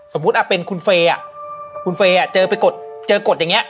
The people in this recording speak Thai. สมมุติอ่ะเป็นคุณเฟย์อ่ะคุณเฟย์อ่ะเจอไปกฎเจอกฎอย่างเงี้ย